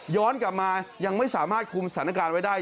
กลับมายังไม่สามารถคุมสถานการณ์ไว้ได้